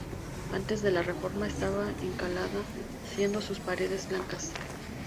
Antes de la reforma estaba encalada siendo sus paredes blancas.